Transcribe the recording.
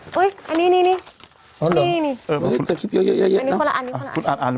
อู้ยอันนี้นี่นี่นี่เออบ่กินค้าละอันอ่ะ